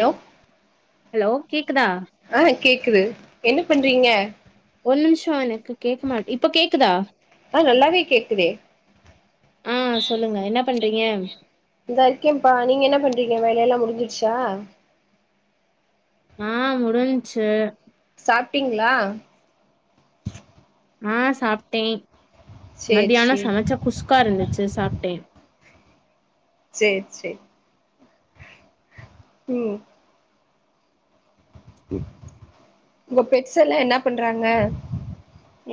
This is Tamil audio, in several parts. ஹலோ ஹலோ கேக் க்குதா ஆ கேக்குது என்ன பண்றீங்க ஒரு நிமிஷோ எனக்கு கேக்க மாட்டே இப்ப கேக்குதா ஆஹ் நல்லாவே கேக்குதே ஆ சொல்லுங்க என்ன பண்றீங்க இதா இருக்கேப்பா நீங்க என்ன பண் ங்க வேலையெல்லாம் முடிஞ்சிடுச்சா ஆஹ் முடிஞ்ச்சு சாப்பிட்டீங்களா ஆஹ் சாப்பிட்டேன் சேரி மத்யானம் சேரி சமைச்ச குசுக்கா இருந் ச்சு சாப்ட்டேன் சேரி சேரி உம் உங்க பெட்ஸ் எல்லா என்ன பண்றாங்க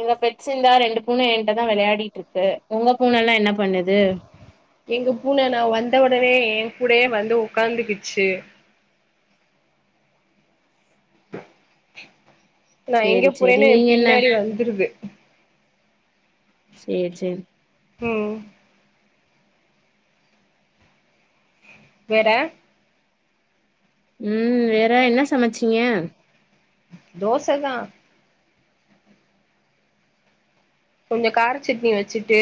எங்க பெட் இந்த ரெண்டு பூனை ஏன்ட்ட தா வெளையாடிட்டு இருக்கு உங்க பூனை எல்லா என்ன பண்ணுது எங்க பூனை நா வந்த ஒடனே ஏ கூட வந்து உக்காந்துக்குச்சு நா எங்க சேரி சேரி புறேன்னு என் நீங்க என்ன பின்னாடி வந்துருது சேரி சேரி உம் வேற உம் வேற என்ன சமச்சீங்க தோசதா கொஞ்சோ கார சட்னி வெச்சுட்டு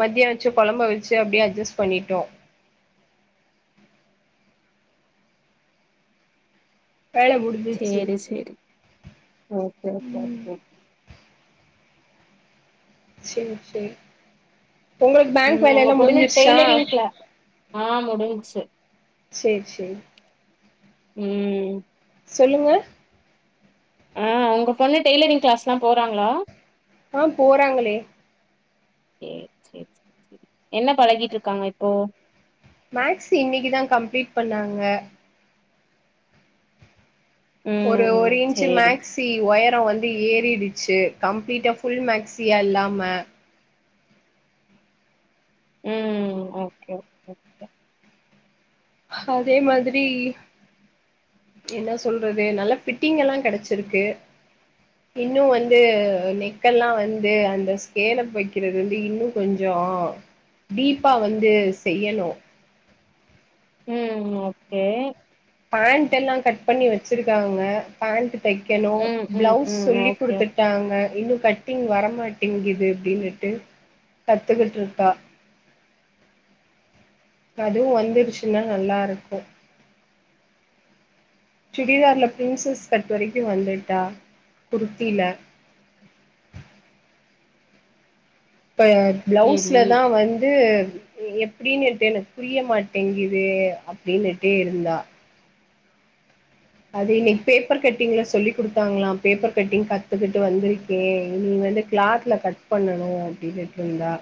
மத்தியோ வெச்ச குழம்பு வெச்சு அப்டியே அஜ்ஜஸ் பண்ணிட்டோ வேல முடிஞ்சுச்சு சேரி சேரி ஓகே [unintelligible] ஓகே சேரி சேரி உங்களுக்கு பேங்க் ம் வேல உங்க எல்லா பொண்ணு முடிஞ்சிருச்சா டெய்லரிங் கிளா ஆ முடிஞ்ச்சு செரி செரி உம் சொல்லுங்க ஆ உங்க பொண்ணு டெய்லரிங் கிளாஸ்லா போறாங்களா ஆ போறாங்களே சேரி சேரி சேரி என்ன பழகிட்டு இருக்காங்க இப்போ மேக்ஸ் இன்னைக்குதா கம்ப்ளீட் பண்ணாங்க ஒரு ம் ஒரு இன்ச்சு சேரி மேகஸி ஒயர் ல்லா வந்து ஏறிடுச்சு கம்ப்ளீட்டா ஃபுள் மேக்சியா இல்லாம உம் ஓகே ஓகே ஓகே ஆ அதே மாதிரி என்ன சொல்றது நல்ல பிட்டிங் எல்லா கெடச்சிருக்கு இன்னு வந்து நெக்கெல்லா வந்து அந்த ஸ்கேல வெக்கறது வந்து இன்னு கொஞ்சோ டீப்பா வந்து செய்யணு உம் ஓகே பேண்ட் எல்லா கட் பண்ணி வெச்சிருக்காங்க பேண்ட் தெக்கணு ம் ம் பிளவுஸ் ம் ஓகே சொல்லிகுடுத்துட்டாங்க இன்னு கட் ட்டிங் வரமாட்டிங்குது அப்பிடினிட்டு கத்துக்கிட்டு இருக்கா அதுவு வந்துருச்சுன்னா நல்லா இருக்கு சுடிதார்ல பிரின்சஸ் கட் வரைக்கு வந்துட்டா குர்த்தில இப்போ சேரி ப்ளவுஸ்ல தா வந்து எப் அப்பிடின்னிட்டு எனக்கு புரிய மாட்டேங்குது அப்பிடின்னிட்டே இருந்தா அது இன்னைக்கு பேப்பர் கட்டிங்ல சொல்லி குடுத்தாங்களா பேப்பர் கட்டிங் கத்துக்கிட்டு வந்திருக்கே இனி வந்து கிளாத்ல கட் பண்ணணு அப்பிடின்னிட்டு இருந்தா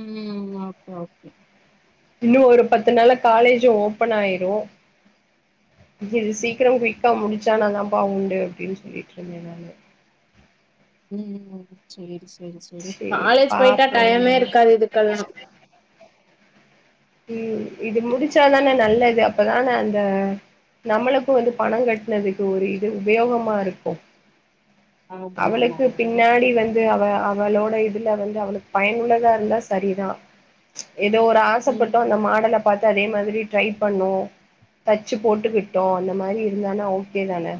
உம் ஓகே ஓகே இன்னு ஒரு பத்து நாள காலேஜ் ஓபன் ஆயிரும் இது சீக்கிரம் குயிக்கா முடுச்சானாதாப்பா உண்டு அப்பிடின்னு சொல்லிட்டு இருந்தே நானு உம் செரி செ சேரி சேரி காலேஜ் போயிட்டா பாப்போ டைமே என்னன்னு இருக்காது இதுக்கெல்லா உஹம் இது முடிச்சாதானே நல்லது அப்பதானே அந்த நம்மளுக்கும் வந்து பணம் கட்டினதுக்கு ஒரு இது உபயோகமா இருக்கும் ஆமா ஆமா அவளுக்கு ஆமா பின்னாடி வந்து அவள் அவளோட இதுல வந்து அவளுக்கு பயனுள்ளதா இல்ல சரிதான் ஏதோ ஒரு ஆசைப்பட்டு ம் லாம் ப்த்த அதே மாதிரி டரை பண்ண ச்சு போட்டுக்கிட்டோம் அந்த மாதிரி இருந்தானா ஓகே தானே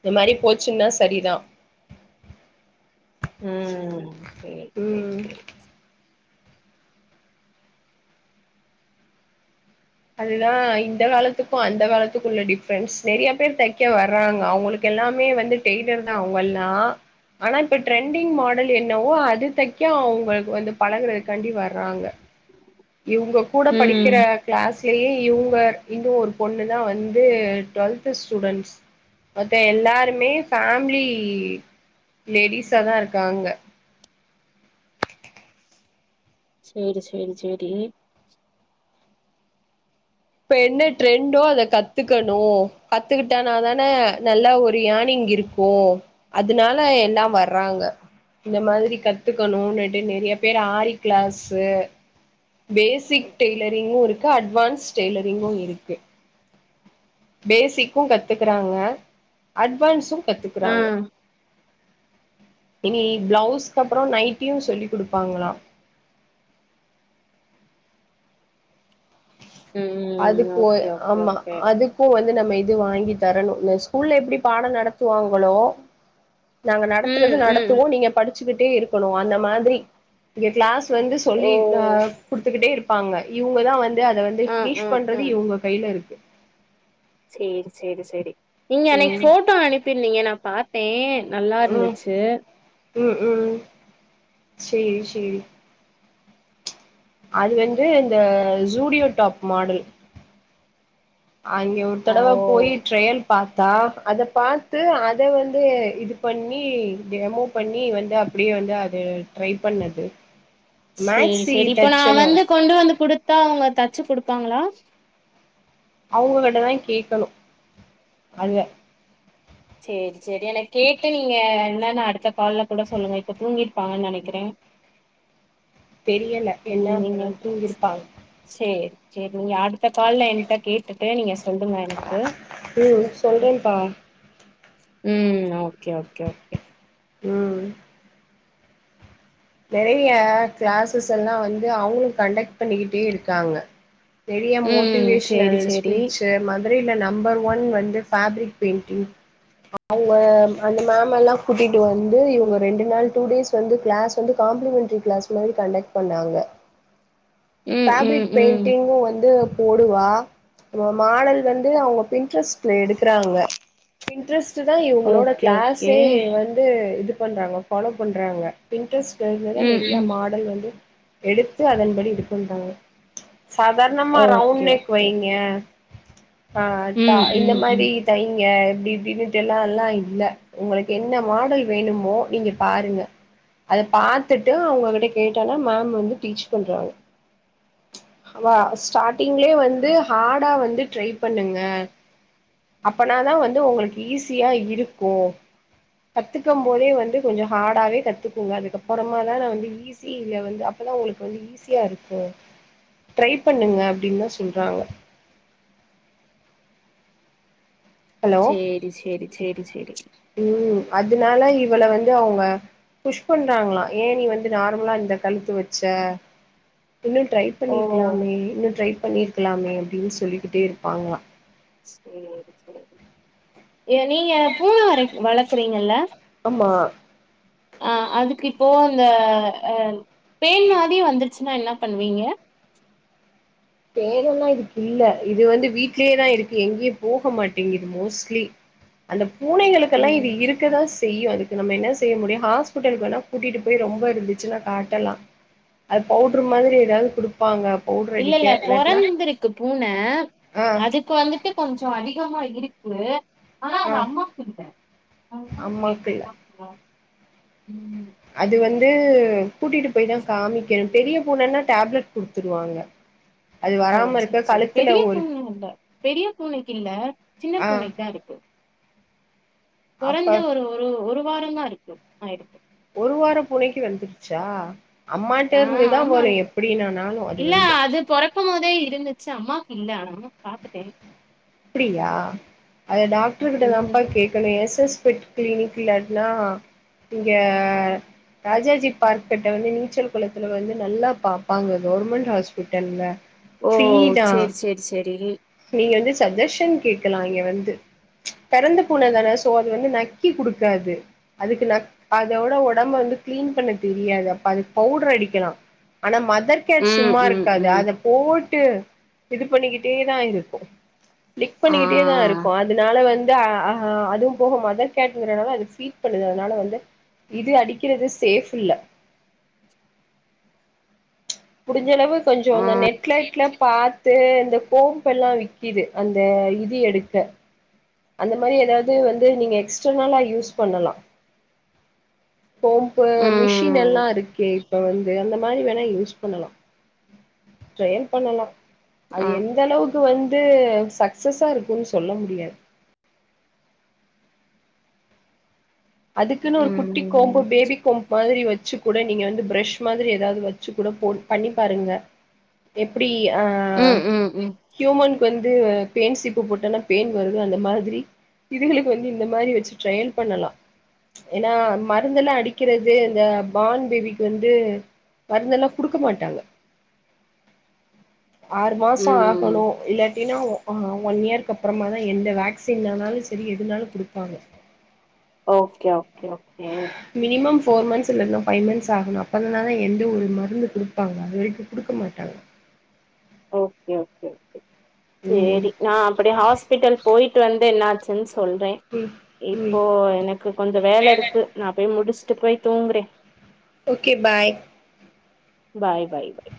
இந்த மாதிரி போச்சுன்னா சரிதான் ம் சேரி சேரி உம் சேரி அதுதான் இந்த காலத்துக்கும் அந்த காலத்துக்கும் உள்ள டிஃப்ரென்ஸ் நிறைய பேர் தைக்க வர்றாங்க அவங்களுக்கு எல்லாமே வந்து டெய்லர் தான் அவங்கல்லாம் ஆனா இப்ப ட்ரெண்டிங் மாடல் என்னவோ அது தைக்க அவங்களுக்கு வந்து பழகுறதுக்காண்டி வர்றாங்க இவங்க கூட படிக்கிற ம் கிளாஸ் யங்கர் இன்னும் ஒரு பொண்ணுதான் வந்து டுவெல்த் ஸ்டூடன்ஸ் மத்த எல்லாருமே ஃேமிலி லேடிஸா தான் இருக்காங்க சேரி சேரி சேரி இப்ப என்ன ட்ரெண்டோ அத கத்துக்கணும் கத்துக்கிட்டானா தானே நல்லா ஒரு யானிங் இருக்கும் அதனால எல்லாம் வர்றாங்க இந்த மாதிரி கத்துக்கணும்னுுட்டு நிறைய பேரு ஆர கிளாஸ்சு பேசிக் டெய்லரிங்கும் இருக்கு அட்வான்ஸ் டெய்லரிங்கும் இருக்கு பேசக்கும் கத்துக்கறாங்க அட்வான்ஸும் ஆ கத்துக்குறாங்க இனி பிளவுஸ்க்க அப்புறம் நைட்டையும் சொல்லிக் கொடுப்பாங்களா ம் அதுக்கு ஓகே ஓகே ஆமா ஓகே அதுக்கும் வந்து நம்ம இது வாங்கி தரணும் இந்த ஸ்கூல்ல எப்படி பாடம் நடத்துவாங்களோ நாங்க நடத்துறது ம் ம் நடத்துவோம் நீங்க படி க்கிட்டே இருக்கணும் அந்த மாதிரி இங்க கிளாஸ் வந்து ஓ சொல்லி கொடுத்துக்கிட்டே இருக்கும் ப்பாங்க இவங்கதான் வந்து அதை வந்து ஆ ஆ பண்றது ம் இவங்க கையில இருக்கு சேரி சேரி சேரி நீங்க அன்னைக்கு ம் போட்டோ அனுப்பிருந்தீங்க ந பார்த்தேன் நல்லா இருந்துச்சு உம் உம் சேரி சேரி அது வந்து இந்த ஜூடியோ டாப் மாடல் அங்க ஒரு ஓ தடவை போய் ட்ரயல் பார்த்தா அத பார்த்து அத வந்து இது பண்ணி டமோ பண்ணி வந்து அப்படியே வந்து அது ட்ரை பண்ணது சேரி மேக்ஸி சேரி இப்ப நான் தச்சது வந்து கொண்டு வந்து குடுத்தா அவங்க தச்சு குடு பப்பாங்களா அவங்ககிட்டதான் கேட்கணும் அதுல சேரி சேரி என கேட்டு நீங்க என்ன அடுத்த கால்ல கூட சொல்லுங்க இப்ப தூங்கிருப்பாங்கன்னு நினைக்கிறேன் தெரியலை என்ன பண்ண தூங்கிருப்பாங்க சேரி சேரி நீ ஆடு ஒத்த கால்ல என்கிட்ட கேட்டுட்டு நீங்க சொல்லுங்க எனக்கு ம் சொல்றேன்ப்பா உம் ஓகே ஓகே ஓகே உம் நிறையா கிளாஸஸ் எல்லாம் வந்து அவுங்களும் கண்டக்ட் பண்ணிக்கிட்டே இருக்காங்க நிறையா ம் மோட்டிவேஷனல் சேரி சேரி ஸ்பீச்சு மந்த் தெரியலை நம்பர் ஒன் வந்து ஃபேப்ரிக் பெயிண்டிங் அவுங்க அந்த மேம் எல்லாம் கூட்டிட்டு வந்து இவுங்க ரெண்டு நாள் டூ டேஸ் வந்து கிளாஸ் வந்து காம்ப்ளிமென்டரி கிளாஸ் மாரி கண்டக்ட் பண்ணாங்க ம் ம் ஃபேப்ரிக் ம் பெயிண்டிங்கும் வந்து போடுவா மாடல் வந்து அவுங்க பின்ட்ரெஸ்ட்ல எடுக்கறாங்க பின்ட்ரெஸ்ட் டு தான் இவுங்களோட ஓகே ஓகே கிளாஸே வந்து இது பண்றாங்க ஃபாலோ பண்றாங்க பிங்க் டிரஸ் டிரஸ்ல தான் ம் நிறையா ம் மாடல் வந்து எடுத்து அதன்படி வித்துன்றாங்க சாதாரணமா ரவுண்ட் ஓகே நெக் ஓகே வைங்க ஓகே அஹ் தா ம், இந்த ம், ம். மாரி தைங்க அப்படி இப்படின்னுட்டு எல்லாம் எல்லாம் இல்லை உங்களுக்கு என்ன மாடல் வேணுமோ நீங்க பாருங்க அதை பார்த்துட்டு அவுங்ககிட்ட கேட்டன்னா மேம் வந்து டீச் பண்றாங்க ஸ்டார்டிங்லயே வந்து ஹார்டா வந்து ட்ரை பண்ணுங்க அப்பனாதான் வந்து உங்களுக்கு ஈஸியா இருக்கும் கத்துக்கும் போதே வந்து கொஞ்சம் ஹார்டாவே கத்து நீங்க அதுக்கப்புறமாதான் நான் வந்து ஈ சி இ ல வந்து அப்பதான் உங்களுக்கு வந்து ஈஸியா இருக்கும் ட்ரை பண்ணுங்க அப்படின்னுதான் சொல்றாங்க ஹலோ சேரி சேரி சேரி சேரி இதனால இவள வந்து அவுங்க புஷ் பண்றாங்களாம் ஏன் நீ வந்து நார்மலா இந்த கழுத்து வச்ச இன்னும் ட்ரை ஓ! பண்ணிருக்கலாமே இன்னும் ட்ரைப் பண்ணிருக்கலாமே அப்படின்னு சொல்லிக்கிட்டே இருப்பாங்களாம் உம் உம் ஏன் நீங்க பூனை வரை வளர்க்கறீங்கல்ல ஆமா அஹ் அதுக்கு இப்போ இந்த அஹ் பேன் மாதிரி வந்துருக் சின்னா என்னப் பண்ணுவீங்க தேடணுல்லாம் இதுக்கு இல்லை இது வந்து வீட்லயேதான் இருக்கு எங்கேயும் போக மாட்டேங்குது மோஸ்ட்லி அந்த ஓ! மூனைகளுக்கெல்லாம் இது இருக்கதா செய்யும் அதுக்கு நம்ம என்ன செய்ய முடியும் ஹாஸ்பிடலுக்கு வேணா கூட்டிட்டு போய் ரொம்ப இருந்துச்சுன்னா காட்டலாம் அது பவுடர் மாதிரி ஏதாவது குடுப்பாங்க பவுடர் இல்ல, அடி இல்ல பொறந்திருக்கு பூன ஆ அதுக்கு வந்துட்டு கொஞ்சம் அதிகமா இருக்கு ஆஹ் ஆ அ அம்மா அம்மாக்கு இல்ல [unintelligible] அது வந்து வந்து கூட்டிட்டு போய் தான் காமிக்கணும் பெரிய பூனன்னா டேப்லெட் குடுத்துருவாங்க அது ஓ வராம செரி இருக்க சரி கழுத்துல பெரிய ஒரு பூன்ன இல்ல பெரிய பூனைக்கு இல்ல சின்ன ஆ பூண்ணனைக்கு தான் இருக்கு அப்ப கொறஞ்ச ஒரு ஒரு ஒரு இப்பருங்கருக்கு ஆய் ருக்கு ஒரு வாரம் பூனைக்கு வந்துருச்சா அம்மாட்ட ஆ இருந்துதான் ஆமா. வரும் எப்படின்னானாலும் அது இல்ல வந்து அது பொறக்கும் போதே இருந்துச்சு. அம்மாக்கு இல்ல ஆனா பாத்துட்டேன் அப்டியா அதை டாக்டரு கிட்ட தான்ப்பா ம். கேட்கணும் எஸ் எஸ் பெட் கிளினிக் இல்லாட்னா இங்கே ராஜாஜி பார்க் கிட்ட வந்து நீச்சல் குளத்ல வந்து நல்லா பாப்பாங்க கவர்மெண்ட் ஹாஸ்பிட்டல்ல ஓ ஃப்ரீ தா செரி செரி செரி நீங்க வந்து சஜஷன் கேக்லாம் இங்க வந்து பிறந்து பூன தானே சோது வந்து நக்கி குடுக்காது அதுக்கு நக் அதோட உடம்ப வந்து கிளீன் பண்ண தெரியாது அதுக்கு பவுடர் அடிக்கலாம் ஆனா அதற்கேட் ம், சும்மா ம், இருக்காது ம். அதை போட்டு விட்டு இது பண்ணிக்கிட்டே தான் இருக்கு கிளிக் ஆ, பண்ணிட்டே தான் இருக்கு அதனால வந்து ஹ அதுவும் போக மதர் கேட்னால அது ஃபீட் பண்ணுது அதனால வந்து இது அடிக்கிறது சேஃப் இல்ல முடிஞ்சளவு கொஞ்ச ஆ, அந்த நெட்பிளக்ஸ்ல பாத்து இந்த கோம்பெல்லாம் வி்க்கிது அந்த இது எடுக்க அந்த மாதிரி ஏதாவது வந்து நீங்க எக்ஸ்டர்னலா யூஸ் பண்ணலா போம்ம்பு மிஷின் ம், எல்லாம் இருக்குே இப்ப வந்து அந்த மாதிரி வேணா யூஸ் பண்ணலாம் ட்ரையல் பண்ணலா அது ஆ, எந்த அளவுக்கு க்கு வந்து சக்சஸா இருக்கும்ன்னு சொல்ல முடியாது அதுக்குன்னு ஒரு குட்டி கோம்பு ம், பேபி கோம்பு மாதிரி வச்சு கூட நீங்க வந்து பிரஷ் மாதிரி ஏதாவது வச்சு கூட பண்ணி பாருங்க எப்டி அஹ ம், ம், ம். ஹியூமன்க்கு வந்து பேன் சீப்பு போட்டோனா பேன் வருது அந்த மாதிரி இதுகளுக்கு வந்து இந்த மாதிரி வச்சு ட்ரையல் பண்ணலாம் ஏன்னா மருந்தெல்லாம் அடிக்க இருக்கிறது இந்த பான் பேபிக்கு வந்து மருந்தெல்லாம் குடுக்க மாட்டாங்க ஆறு மாசம் ம். ஆகணும் இல்ல அடனா ஒன் இயர்கக்கு அப்புறமா தான் எந்த வேக்சின்னனாலும் சரி எதுனாலும் கொடுப்பாங்க okay okay okay four months இல்லன ஃபைவ் மந்த்ஸ் ஆகணும் அப்பதனால தான் எந்த ஒரு மருந்து குடுப்பாங்க அது வரைக்கு குடுக்க மாட்டாங்க ஓகே ஓகே ம் சரி நான் அப்படி ஹாஸ்பிட்டல் போயிட்டு வந்து என்ன செல்ஸ் சொல்றேன் ம் ம் இப்போ எனக்கு கொஞ்ச வேலை இருக்கு நான் போய் முடிச்சு இட்டு போய் தூங்குறே ஓகே பாய் பாய் பாய் பாய்